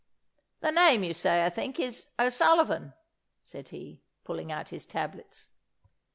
"The name, you say, I think, is O'Sullivan," said he, pulling out his tablets.